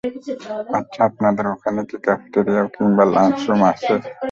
আচ্ছা, আপনাদের এখানে কি ক্যাফেটেরিয়া কিংবা লাঞ্চরুম আছে?